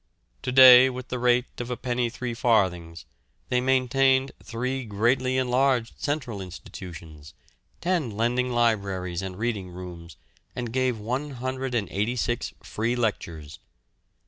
To day, with the rate of a penny three farthings, they maintained three greatly enlarged central institutions, ten lending libraries and reading rooms, and gave 186 free lectures.